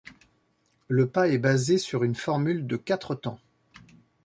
Le pas est basé sur une formule de quatre temps.